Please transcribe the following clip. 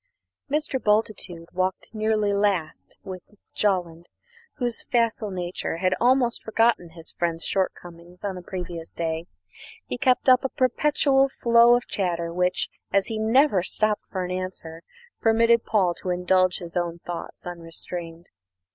Mr. Bultitude walked nearly last with Jolland, whose facile nature had almost forgotten his friend's shortcomings on the previous day. He kept up a perpetual flow of chatter which, as he never stopped for an answer, permitted Paul to indulge his own thoughts unrestrained.